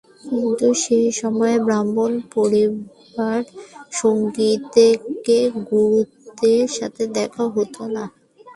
কিন্তু সে সময়ে ব্রাহ্মণ পরিবারে সঙ্গীতকে গুরুত্বের সাথে দেখা হত না।